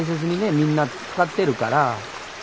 みんな使ってるから。